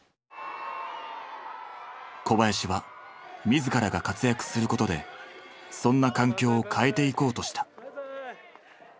小林は自らが活躍することでそんな環境を変えていこうとした。